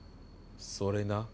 それな。